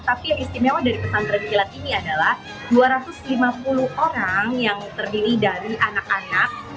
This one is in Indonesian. tapi yang istimewa dari pesantren kilat ini adalah dua ratus lima puluh orang yang terdiri dari anak anak